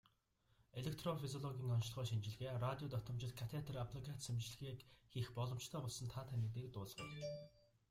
Электрофизиологийн оношилгоо, шинжилгээ, радио давтамжит катетр аблаци эмчилгээг хийх боломжтой болсон таатай мэдээг дуулгая.